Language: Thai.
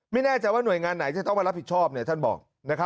ไม่แน่ใจว่าหน่วยงานไหนจะต้องมารับผิดชอบท่านบอก